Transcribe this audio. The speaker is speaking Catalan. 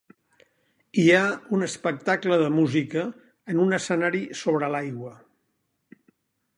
Hi ha un espectacle de música en un escenari sobre l'aigua.